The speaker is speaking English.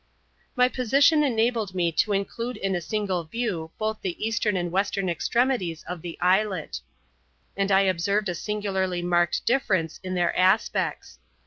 My position enabled me to include in a single view both the eastern and western extremities of the islet; and I observed a singularly marked difference in their aspects.